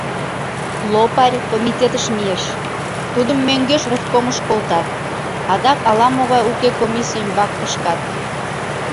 Лопарь комитетыш мийыш — тудым мӧҥгеш Ревкомыш колтат, адак ала-могай уке комиссий ӱмбак кШкат.